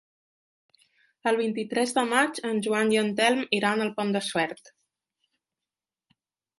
El vint-i-tres de maig en Joan i en Telm iran al Pont de Suert.